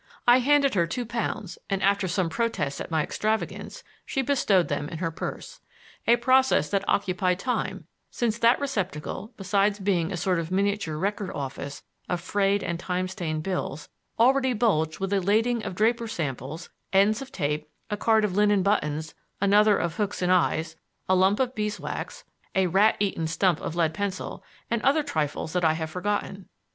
I handed her two pounds, and, after some protests at my extravagance, she bestowed them in her purse; a process that occupied time, since that receptacle, besides being a sort of miniature Record Office of frayed and time stained bills, already bulged with a lading of draper's samples, ends of tape, a card of linen buttons, another of hooks and eyes, a lump of beeswax, a rat eaten stump of leadpencil, and other trifles that I have forgotten.